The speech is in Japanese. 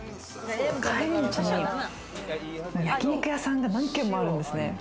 帰り道に、焼肉屋さんが何軒もあるんですね。